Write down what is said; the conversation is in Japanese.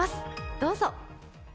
どうぞ。